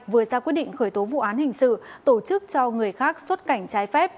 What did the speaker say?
vừa ra quyết định khởi tố vụ án hình sự tổ chức cho người khác xuất cảnh trái phép